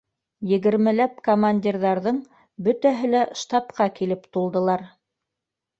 Егермеләп командирҙарҙың бөтәһе лә штабҡа килеп тулдылар.